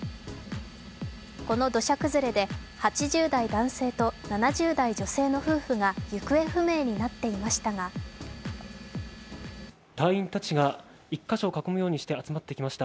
この土砂崩れで８０代男性と７０代女性の夫婦が行方不明になっていましたが隊員たちが１か所を囲むようにして集まってきました。